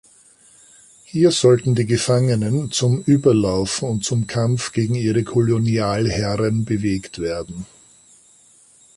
Hier sollten die Gefangenen zum Überlaufen und zum Kampf gegen ihre Kolonialherren bewegt werden.